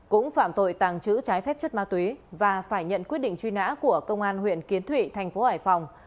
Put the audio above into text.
cũng phạm tội tàng trữ trái phép chất ma túy và phải nhận quyết định truy nã của công an huyện kiến thụy thành phố hải phòng